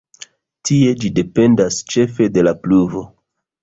Tie ĝi dependas ĉefe de la pluvo.